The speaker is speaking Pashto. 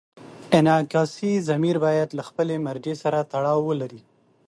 انعکاسي ضمیر باید له خپلې مرجع سره تړاو ولري.